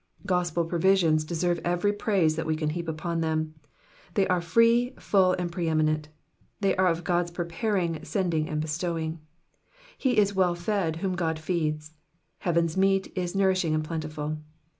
Gospel provisions deserve every praise that we can heap upon them ; they are free, full, and pre eminent ; they are of God's pre paring, sending, and bestowing. He is well fed whom God feeds ; heaven's meat is nourishing and plentiful.